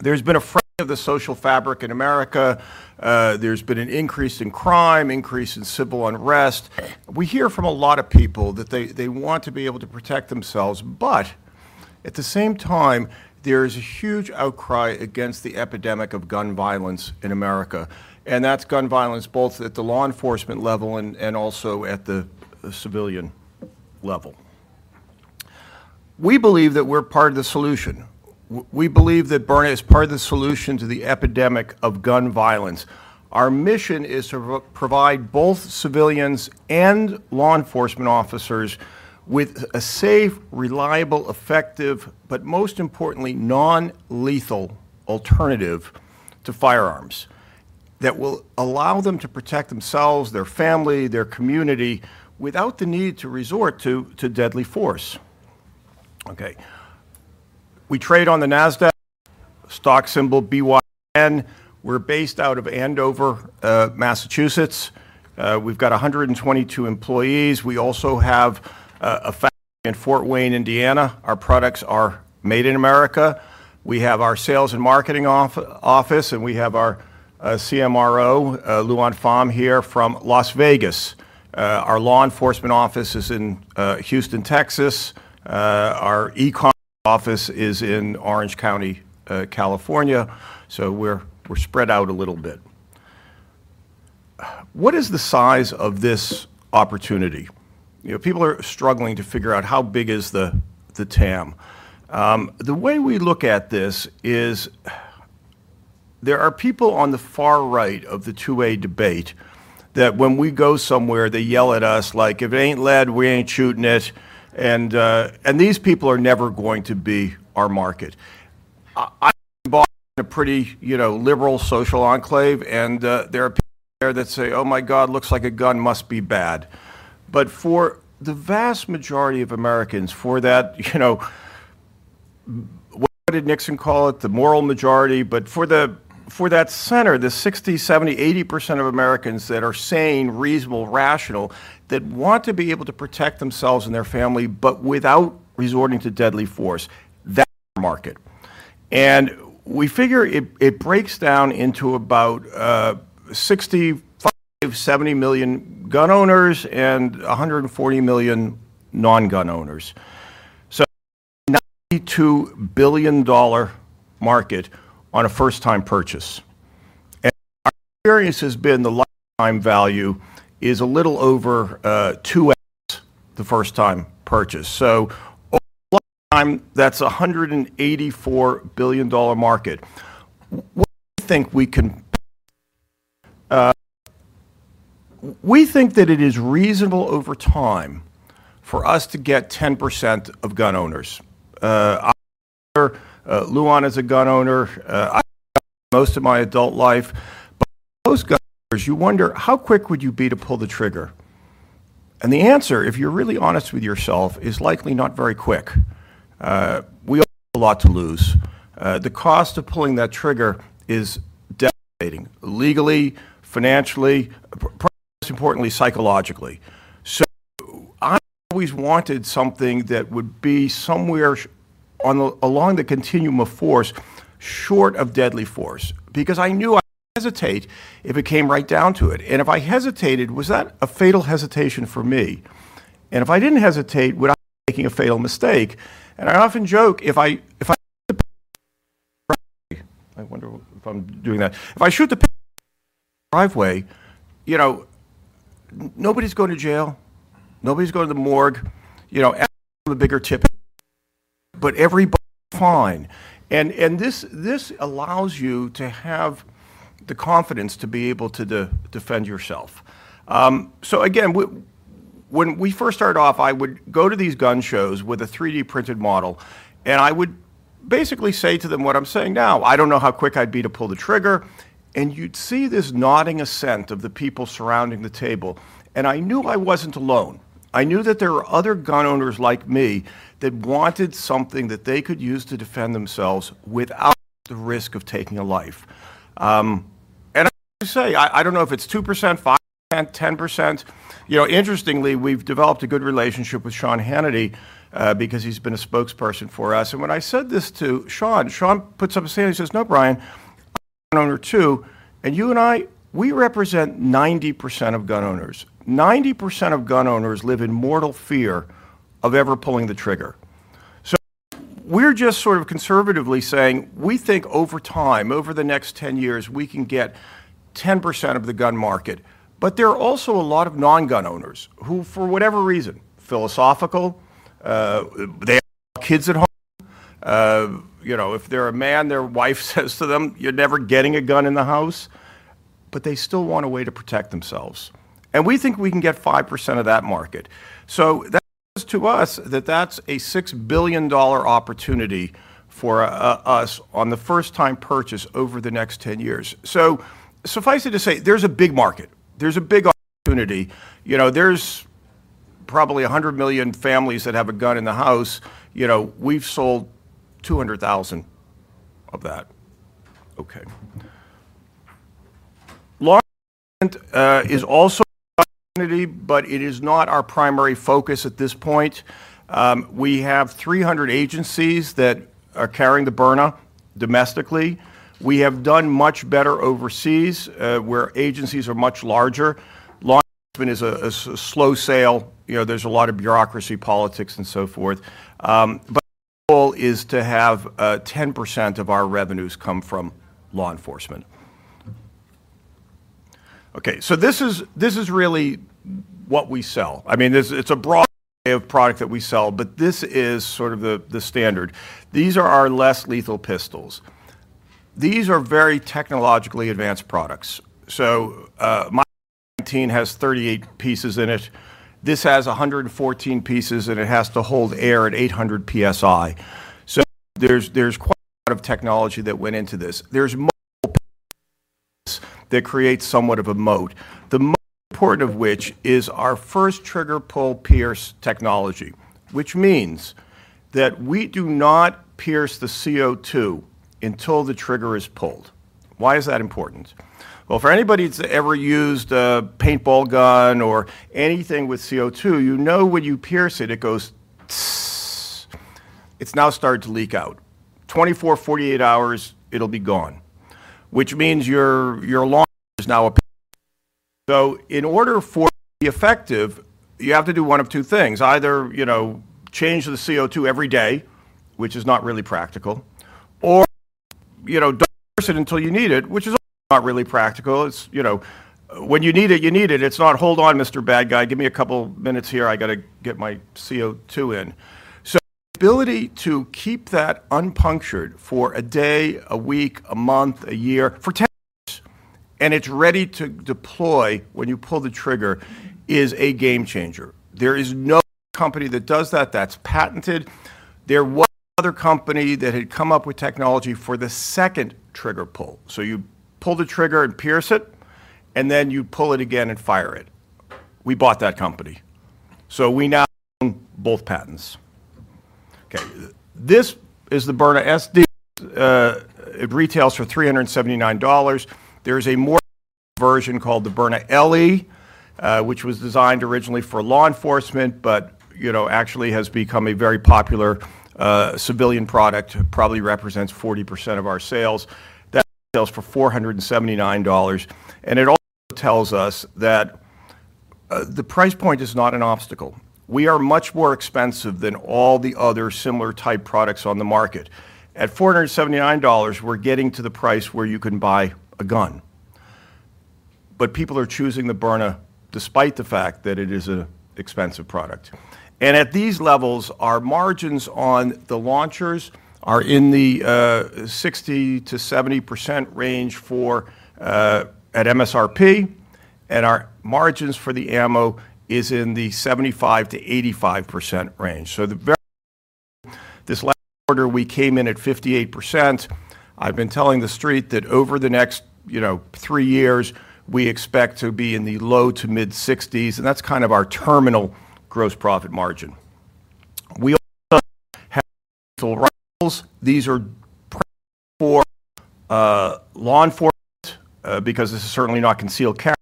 There's been a fraying of the social fabric in America. There's been an increase in crime, increase in civil unrest. We hear from a lot of people that they want to be able to protect themselves, but at the same time there is a huge outcry against the epidemic of gun violence in America, and that's gun violence both at the law enforcement level and also at the civilian level. We believe that we're part of the solution. We believe that Byrna is part of the solution to the epidemic of gun violence. Our mission is to provide both civilians and law enforcement officers with a safe, reliable, effective, but most importantly non-lethal alternative to firearms that will allow them to protect themselves, their family, their community without the need to resort to deadly force. Okay. We trade on the NASDAQ, stock symbol BYRN. We're based out of Andover, Massachusetts. We've got 122 employees. We also have a factory in Fort Wayne, Indiana. Our products are made in America. We have our sales and marketing office, and we have our CMRO, Luan Pham here from Las Vegas. Our law enforcement office is in Houston, Texas. Our e-commerce office is in Orange County, California. So we're spread out a little bit. What is the size of this opportunity? You know, people are struggling to figure out how big is the TAM. The way we look at this is there are people on the far right of the 2A debate that when we go somewhere they yell at us like, "If it ain't lead, we ain't shooting it," and these people are never going to be our market. I'm involved in a pretty, you know, liberal social enclave, and there are people there that say, "Oh my God, looks like a gun must be bad." But for the vast majority of Americans, for that, you know, what did Nixon call it? The moral majority. But for that center, the 60%-80% of Americans that are sane, reasonable, rational, that want to be able to protect themselves and their family but without resorting to deadly force, that's our market. And we figure it breaks down into about 65-70 million gun owners and 140 million non-gun owners. So $92 billion market on a first-time purchase. And our experience has been the lifetime value is a little over 2x the first-time purchase. So over the lifetime, that's a $184 billion market. What do you think we can? We think that it is reasonable over time for us to get 10% of gun owners. I'm a gun owner. Luan is a gun owner. I've been a gun owner most of my adult life. But for most gun owners, you wonder, how quick would you be to pull the trigger? And the answer, if you're really honest with yourself, is likely not very quick. We all have a lot to lose. The cost of pulling that trigger is devastating, legally, financially, pretty much importantly psychologically. So I always wanted something that would be somewhere along the continuum of force, short of deadly force, because I knew I'd hesitate if it came right down to it. And if I hesitated, was that a fatal hesitation for me? And if I didn't hesitate, would I be making a fatal mistake? And I often joke, "If I shoot the pistol in the driveway, I wonder if I'm doing that. If I shoot the pistol in the driveway, you know, nobody's going to jail. Nobody's going to the morgue. You know, but everybody's fine." And this allows you to have the confidence to be able to defend yourself. So again, when we first started off, I would go to these gun shows with a 3D-printed model, and I would basically say to them what I'm saying now. I don't know how quick I'd be to pull the trigger. And you'd see this nodding assent of the people surrounding the table. And I knew I wasn't alone. I knew that there were other gun owners like me that wanted something that they could use to defend themselves without the risk of taking a life. And I say, I don't know if it's 2%, 5%, 10%. You know, interestingly, we've developed a good relationship with Sean Hannity, because he's been a spokesperson for us. And when I said this to Sean, Sean puts up his hand and says, "No, Bryan, I'm a gun owner too. And you and I, we represent 90% of gun owners. 90% of gun owners live in mortal fear of ever pulling the trigger." So we're just sort of conservatively saying, "We think over time, over the next 10 years, we can get 10% of the gun market." But there are also a lot of non-gun owners who, for whatever reason, philosophical, they have kids at home. You know, if they're a man, their wife says to them, "You're never getting a gun in the house," but they still want a way to protect themselves. And we think we can get 5% of that market. So that says to us that that's a $6 billion opportunity for us on the first-time purchase over the next 10 years. So suffice it to say, there's a big market. There's a big opportunity. You know, there's probably 100 million families that have a gun in the house. You know, we've sold 200,000 of that. Okay. Law enforcement is also an opportunity, but it is not our primary focus at this point. We have 300 agencies that are carrying the Byrna domestically. We have done much better overseas, where agencies are much larger. Law enforcement is a slow sale. You know, there's a lot of bureaucracy, politics, and so forth. But our goal is to have 10% of our revenues come from law enforcement. Okay. So this is really what we sell. I mean, there's, it's a broad array of product that we sell, but this is sort of the standard. These are our less lethal pistols. These are very technologically advanced products. So, my 19 has 38 pieces in it. This has 114 pieces, and it has to hold air at 800 PSI. So there's quite a lot of technology that went into this. There's multiple pieces that create somewhat of a moat, the most important of which is our first trigger Pull-Pierce technology, which means that we do not pierce the CO2 until the trigger is pulled. Why is that important? Well, for anybody that's ever used a paintball gun or anything with CO2, you know when you pierce it, it goes, "Tss." It's now started to leak out. 24, 48 hours, it'll be gone, which means your law enforcement is now a paintball gun. So in order for it to be effective, you have to do one of two things: either, you know, change the CO2 every day, which is not really practical, or, you know, don't pierce it until you need it, which is also not really practical. It's, you know, when you need it, you need it. It's not, "Hold on, Mr. Bad Guy. Give me a couple minutes here. I got to get my CO2 in." So the ability to keep that unpunctured for a day, a week, a month, a year, for 10 years, and it's ready to deploy when you pull the trigger is a game changer. There is no company that does that that's patented. There was another company that had come up with technology for the second trigger pull. So you pull the trigger and pierce it, and then you pull it again and fire it. We bought that company. So we now own both patents. Okay. This is the Byrna SD. It retails for $379. There is a more advanced version called the Byrna LE, which was designed originally for law enforcement but, you know, actually has become a very popular, civilian product, probably represents 40% of our sales. That sells for $479. It also tells us that the price point is not an obstacle. We are much more expensive than all the other similar-type products on the market. At $479, we're getting to the price where you can buy a gun. But people are choosing the Byrna despite the fact that it is an expensive product. And at these levels, our margins on the launchers are in the 60%-70% range for at MSRP. And our margins for the ammo is in the 75%-85% range. So the very this last quarter, we came in at 58%. I've been telling the street that over the next, you know, three years, we expect to be in the low to mid-60s, and that's kind of our terminal gross profit margin. We also have pistols, rifles. These are prepared for law enforcement, because this is certainly not concealed carry.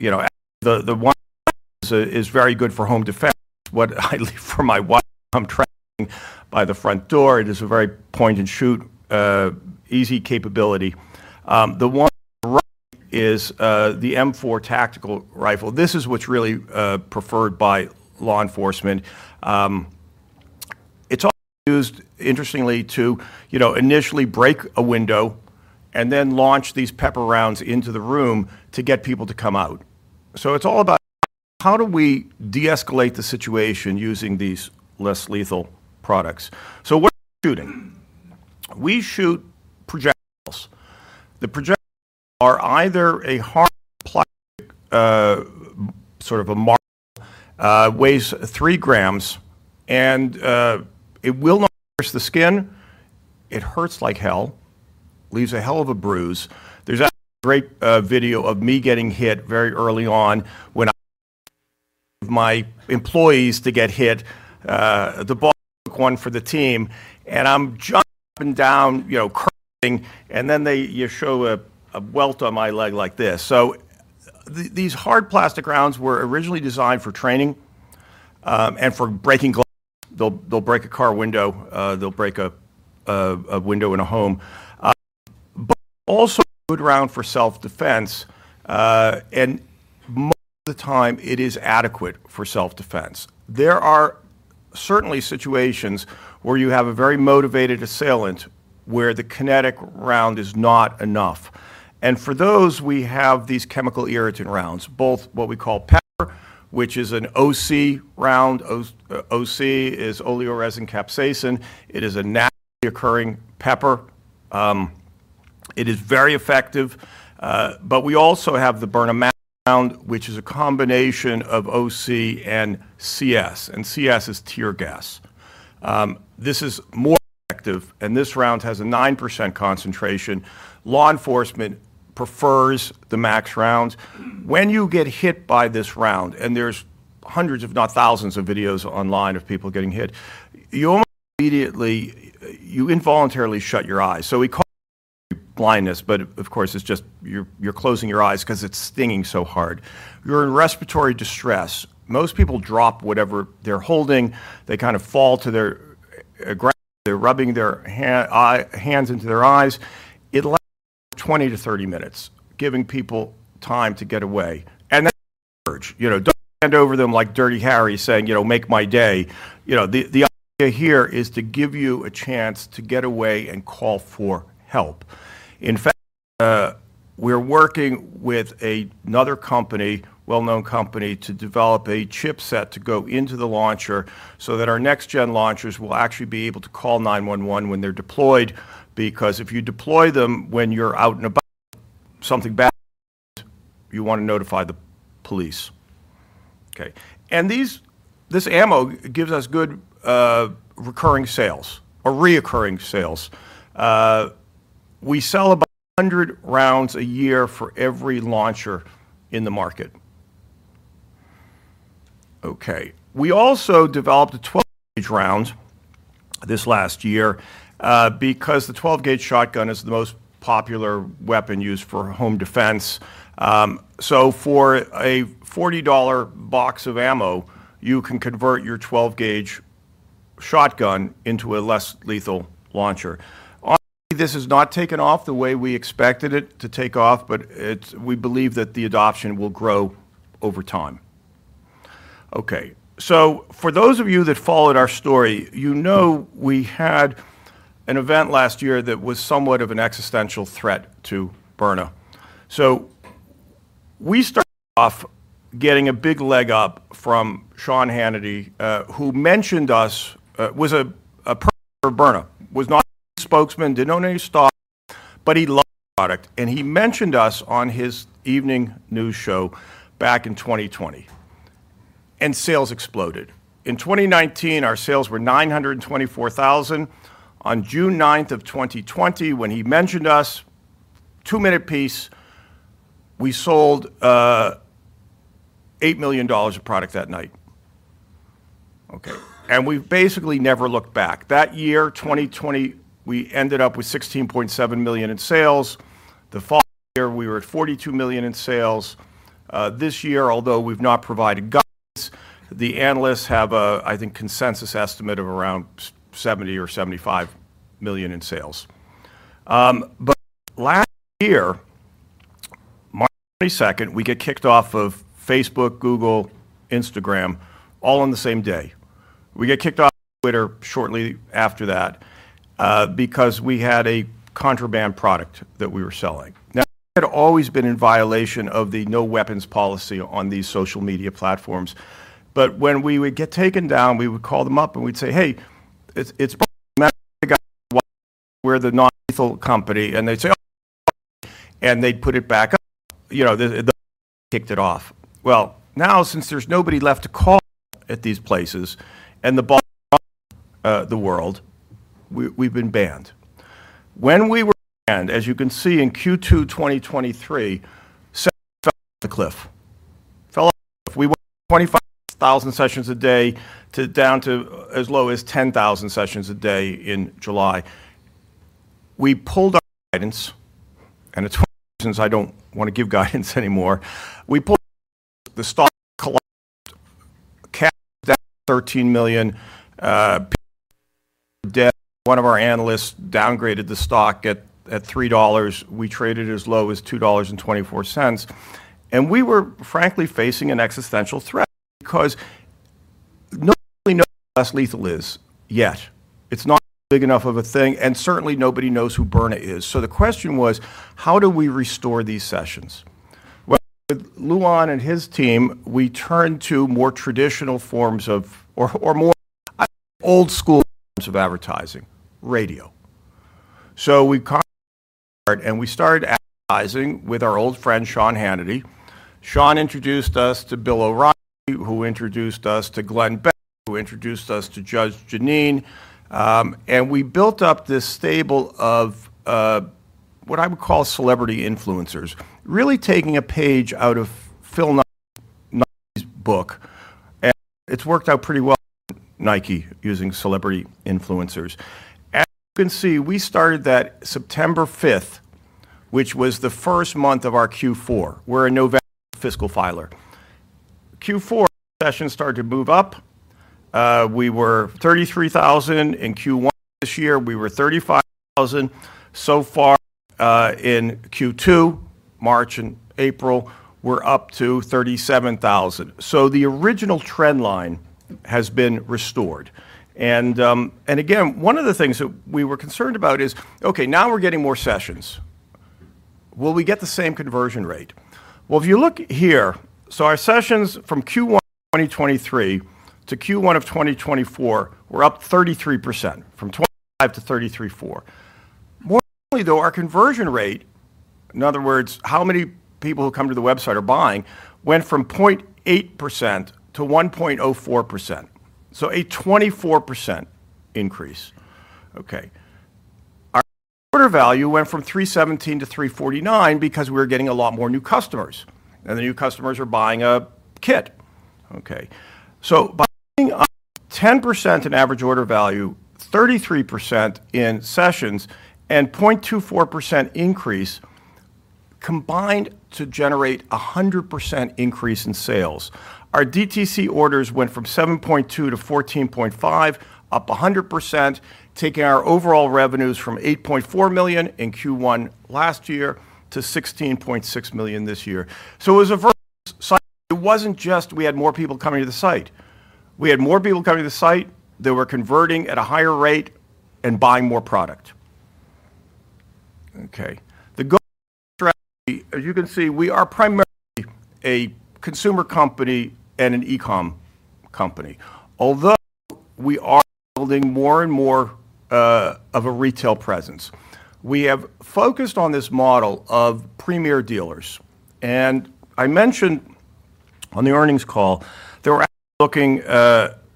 You know, the one rifle is very good for home defense. What I leave for my wife when I'm traveling by the front door, it is a very point-and-shoot, easy capability. The one rifle is the M4 tactical rifle. This is what's really preferred by law enforcement. It's also used, interestingly, to you know, initially break a window and then launch these pepper rounds into the room to get people to come out. So it's all about how do we de-escalate the situation using these less lethal products? So what are we shooting? We shoot projectiles. The projectiles are either a hard plastic, sort of a marble, weighs three grams, and it will not pierce the skin. It hurts like hell. Leaves a hell of a bruise. There's actually a great video of me getting hit very early on when I'm getting my employees to get hit. The boss took one for the team, and I'm jumping down, you know, cursing, and then you show a welt on my leg like this. So these hard plastic rounds were originally designed for training, and for breaking glass. They'll break a car window. They'll break a window in a home, but also a good round for self-defense. And most of the time, it is adequate for self-defense. There are certainly situations where you have a very motivated assailant where the kinetic round is not enough. And for those, we have these chemical irritant rounds, both what we call pepper, which is an OC round. OC is oleoresin capsicum. It is a naturally occurring pepper. It is very effective, but we also have the Byrna Max round, which is a combination of OC and CS. And CS is tear gas. This is more effective, and this round has a 9% concentration. Law enforcement prefers the MAX rounds. When you get hit by this round, and there's hundreds, if not thousands, of videos online of people getting hit, you almost immediately you involuntarily shut your eyes. So we call it blindness, but of course, it's just you're closing your eyes because it's stinging so hard. You're in respiratory distress. Most people drop whatever they're holding. They kind of fall to their ground. They're rubbing their hands into their eyes. It lasts 20-30 minutes, giving people time to get away. And that's a good urge. You know, don't stand over them like Dirty Harry saying, you know, "Make my day." You know, the idea here is to give you a chance to get away and call for help. In fact, we're working with another company, well-known company, to develop a chipset to go into the launcher so that our next-gen launchers will actually be able to call 911 when they're deployed. Because if you deploy them when you're out and about, something bad happens, you want to notify the police. Okay. And this ammo gives us good, recurring sales or recurring sales. We sell about 100 rounds a year for every launcher in the market. Okay. We also developed a 12-gauge round this last year, because the 12-gauge shotgun is the most popular weapon used for home defense. So for a $40 box of ammo, you can convert your 12-gauge shotgun into a less lethal launcher. Honestly, this has not taken off the way we expected it to take off, but we believe that the adoption will grow over time. Okay. So for those of you that followed our story, you know we had an event last year that was somewhat of an existential threat to Byrna. So we started off getting a big leg up from Sean Hannity, who mentioned us, was a spokesperson for Byrna, was not a spokesman, didn't own any stock, but he loved the product. And he mentioned us on his evening news show back in 2020, and sales exploded. In 2019, our sales were $924,000. On June 9th of 2020, when he mentioned us, two-minute piece, we sold $8 million of product that night. Okay. And we've basically never looked back. That year, 2020, we ended up with $16.7 million in sales. The following year, we were at $42 million in sales. This year, although we've not provided guidance, the analysts have a, I think, consensus estimate of around $70 million-$75 million in sales. But last year, March 22nd, we get kicked off of Facebook, Google, Instagram, all on the same day. We get kicked off of Twitter shortly after that, because we had a contraband product that we were selling. Now, we had always been in violation of the no-weapons policy on these social media platforms. But when we would get taken down, we would call them up and we'd say, "Hey, it's a matter of fact we're the non-lethal company." And they'd say, "Oh," and they'd put it back up. You know, they kicked it off. Well, now, since there's nobody left to call at these places and the ball's gone to the world, we've been banned. When we were banned, as you can see in Q2 2023, sessions fell off the cliff. Fell off the cliff. We went from 25,000 sessions a day to down to as low as 10,000 sessions a day in July. We pulled our guidance, and it's one of the reasons I don't want to give guidance anymore. We pulled the stock collapsed. Cash was down $13 million. People were dead. One of our analysts downgraded the stock at $3. We traded it as low as $2.24. And we were, frankly, facing an existential threat because nobody knows what less lethal is yet. It's not big enough of a thing, and certainly nobody knows who Byrna is. So the question was, how do we restore these sessions? Well, with Luan and his team, we turned to more traditional forms of, or more I would say old-school forms of advertising, radio. So we converted, and we started advertising with our old friend Sean Hannity. Sean introduced us to Bill O'Reilly, who introduced us to Glenn Beck, who introduced us to Judge Jeanine. And we built up this stable of, what I would call celebrity influencers, really taking a page out of Phil Knight's book. And it's worked out pretty well for Nike using celebrity influencers. As you can see, we started that September 5th, which was the first month of our Q4. We're a November fiscal filer. Q4, sessions started to move up. We were 33,000. In Q1 this year, we were 35,000. So far, in Q2, March and April, we're up to 37,000. So the original trend line has been restored. And, and again, one of the things that we were concerned about is, okay, now we're getting more sessions. Will we get the same conversion rate? Well, if you look here, so our sessions from Q1 of 2023 to Q1 of 2024 were up 33%, from 25%-33.4%. More importantly, though, our conversion rate, in other words, how many people who come to the website are buying, went from 0.8%-1.04%, so a 24% increase. Okay. Our order value went from $317-$349 because we were getting a lot more new customers, and the new customers were buying a kit. Okay. So by getting up 10% in average order value, 33% in sessions, and 0.24% increase, combined to generate a 100% increase in sales, our DTC orders went from 7.2%-14.5%, up 100%, taking our overall revenues from $8.4 million in Q1 last year to $16.6 million this year. So it was a very good cycle. It wasn't just we had more people coming to the site. We had more people coming to the site that were converting at a higher rate and buying more product. Okay. The go-to strategy, as you can see, we are primarily a consumer company and an e-com company. Although we are building more and more of a retail presence, we have focused on this model of Premier Dealers. And I mentioned on the earnings call, they were actually looking,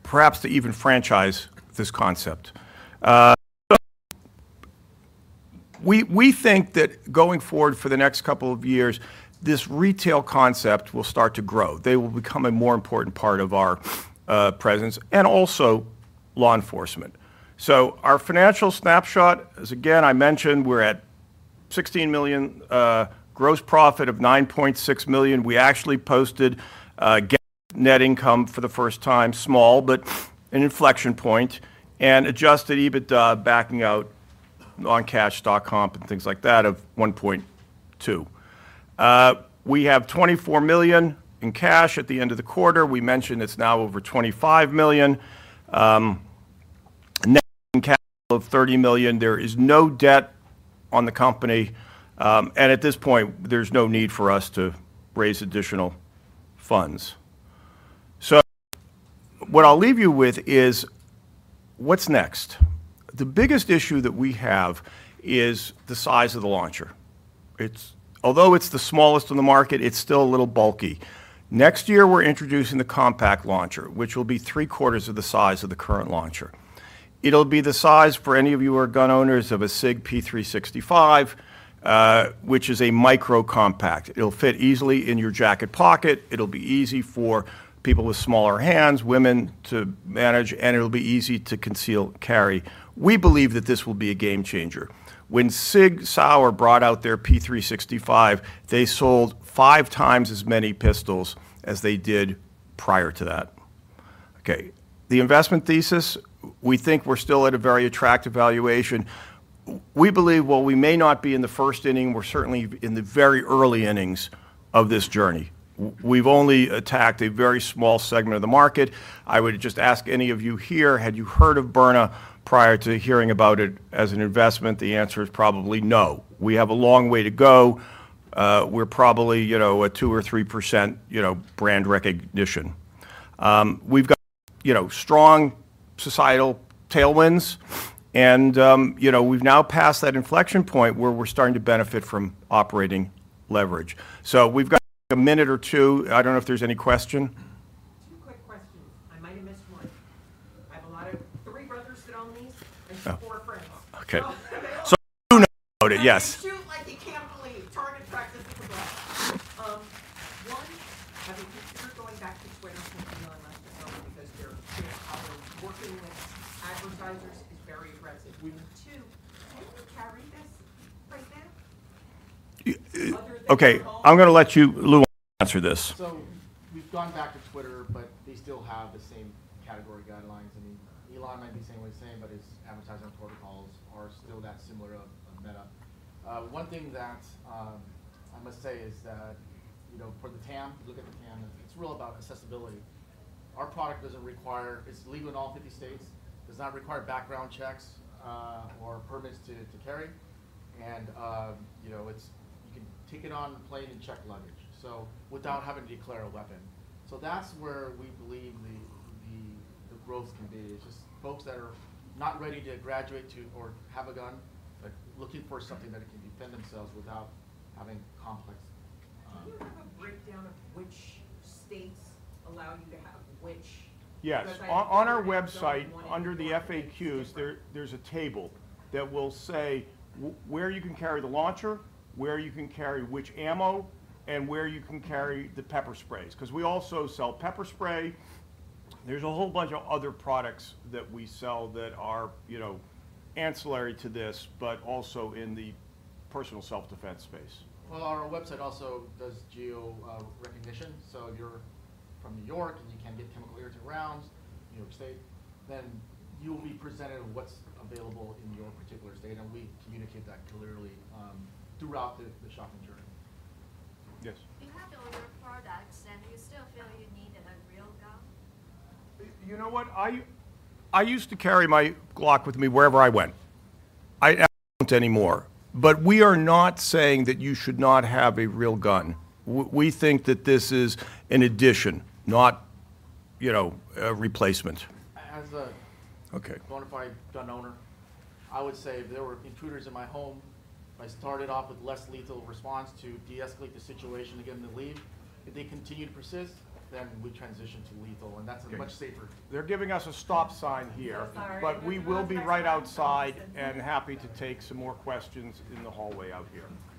perhaps to even franchise this concept. We think that going forward for the next couple of years, this retail concept will start to grow. They will become a more important part of our presence and also law enforcement. So our financial snapshot, as again I mentioned, we're at $16 million, gross profit of $9.6 million. We actually posted net income for the first time, small but an inflection point, and adjusted EBITDA, backing out cash, stock comp, and things like that, of 1.2%. We have $24 million in cash at the end of the quarter. We mentioned it's now over $25 million. Net income of $30 million. There is no debt on the company, and at this point, there's no need for us to raise additional funds. So what I'll leave you with is, what's next? The biggest issue that we have is the size of the launcher. It's, although it's the smallest in the market, still a little bulky. Next year, we're introducing the compact launcher, which will be three-quarters of the size of the current launcher. It'll be the size, for any of you who are gun owners, of a SIG P365, which is a micro compact. It'll fit easily in your jacket pocket. It'll be easy for people with smaller hands, women to manage, and it'll be easy to conceal, carry. We believe that this will be a game-changer. When SIG Sauer brought out their P365, they sold five times as many pistols as they did prior to that. Okay. The investment thesis, we think we're still at a very attractive valuation. We believe, while we may not be in the first inning, we're certainly in the very early innings of this journey. We've only attacked a very small segment of the market. I would just ask any of you here, had you heard of Byrna prior to hearing about it as an investment? The answer is probably no. We have a long way to go. We're probably, you know, a 2% or 3%, you know, brand recognition. We've got, you know, strong societal tailwinds, and, you know, we've now passed that inflection point where we're starting to benefit from operating leverage. So we've got a minute or two. I don't know if there's any question. Two quick questions. I might have missed one. I have three brothers that own these, and four friends. Okay. So you do know about it, yes. They like it like you can't believe. Target practice is in the blood. One, have you considered going back to advertising on Twitter because of how they're working with advertisers is very aggressive? And two, can you carry this right now other than concealed? Okay. I'm going to let you, Luan, answer this. So we've gone back to Twitter, but they still have the same category guidelines. I mean, Elon might be saying what he's saying, but his advertising protocols are still that similar of Meta. One thing that, I must say, is that, you know, for the TAM, if you look at the TAM, it's real about accessibility. Our product doesn't require—it's legal in all 50 states, does not require background checks, or permits to carry. And, you know, it's—you can take it on the plane and check luggage without having to declare a weapon. So that's where we believe the growth can be. It's just folks that are not ready to graduate to or have a gun, but looking for something that can defend themselves without having complex. Can you have a breakdown of which states allow you to have which? Yes. On our website, under the FAQs, there's a table that will say where you can carry the launcher, where you can carry which ammo, and where you can carry the pepper sprays. Because we also sell pepper spray. There's a whole bunch of other products that we sell that are, you know, ancillary to this but also in the personal self-defense space. Well, our website also does geo recognition. So if you're from New York and you can't get chemical irritant rounds, New York State, then you'll be presented with what's available in your particular state. And we communicate that clearly, throughout the shopping journey. Yes. Do you have all your products, and do you still feel you needed a real gun? You know what? I used to carry my Glock with me wherever I went. I don't anymore. But we are not saying that you should not have a real gun. We think that this is an addition, not, you know, a replacement. As a bona fide gun owner, I would say if there were intruders in my home, if I started off with less lethal response to de-escalate the situation and get them to leave, if they continue to persist, then we transition to lethal. And that's a much safer. They're giving us a stop sign here. I'm sorry. But we will be right outside and happy to take some more questions in the hallway out here.